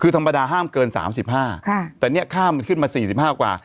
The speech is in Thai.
คือธรรมดาห้ามเกินสามสิบห้าค่ะแต่เนี้ยค่ามันขึ้นมาสี่สิบห้ากว่า